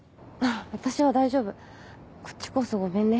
私は大丈夫こっちこそごめんね。